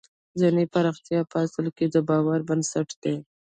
ذهني پراختیا په اصل کې د باور بنسټ دی